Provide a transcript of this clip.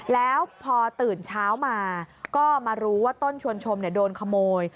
แล้วพอตื่นเช้ามาก็มารู้ว่าต้นชวนชมโดนขโมย